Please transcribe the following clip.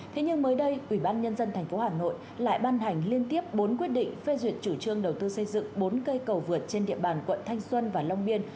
thế nhưng mới đây ủy ban nhân dân tp hà nội lại ban hành liên tiếp bốn quyết định phê duyệt chủ trương đầu tư xây dựng bốn cây cầu vượt trên địa bàn quận thanh xuân và long biên